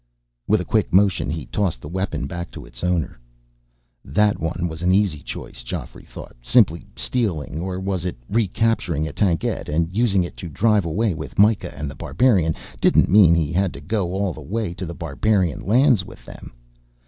With a quick motion, he tossed the weapon back to its owner. That one was an easy choice, Geoffrey thought. Simply stealing or was it recapturing? a tankette and using it to drive away with Myka and The Barbarian didn't mean he had to go all the way to the barbarian lands with them.